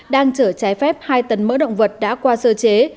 đang chở trái phép hai tấn mỡ động vật đã qua sơ chế